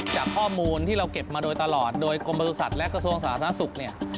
จากข้อมูลที่เราเก็บมาโดยตลอดโดยกรมบริษัทและกระทรวงสาธารณสุขเนี่ย